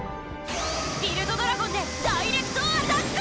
ビルド・ドラゴンでダイレクトアタック！